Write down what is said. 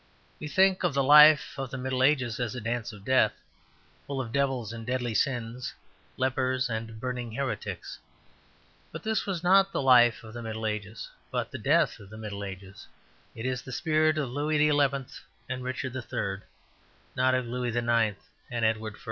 We think of the life of the Middle Ages as a dance of death, full of devils and deadly sins, lepers and burning heretics. But this was not the life of the Middle Ages, but the death of the Middle Ages. It is the spirit of Louis XI and Richard III, not of Louis IX and Edward I.